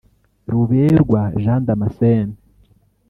Ruberwa Jean Damascène